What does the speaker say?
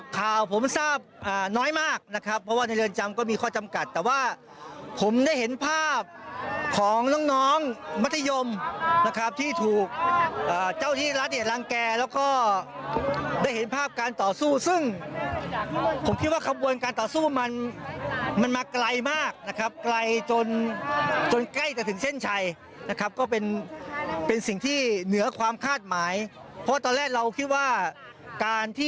ข่าวผมทราบน้อยมากนะครับเพราะว่าในเรือนจำก็มีข้อจำกัดแต่ว่าผมได้เห็นภาพของน้องมัธยมนะครับที่ถูกเจ้าที่รัฐเนี่ยรังแก่แล้วก็ได้เห็นภาพการต่อสู้ซึ่งผมคิดว่าขบวนการต่อสู้มันมันมาไกลมากนะครับไกลจนจนใกล้จะถึงเส้นชัยนะครับก็เป็นเป็นสิ่งที่เหนือความคาดหมายเพราะตอนแรกเราคิดว่าการที่